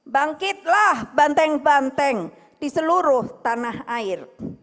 bangkitlah banteng banteng di seluruh tanah air